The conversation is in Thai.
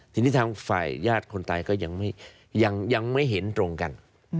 ทีนี้ทางฝ่ายญาติคนตายก็ยังไม่เห็นตรงกัน